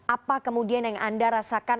apa kemudian yang anda rasakan